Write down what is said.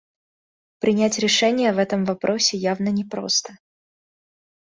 Принять решение в этом вопросе явно непросто.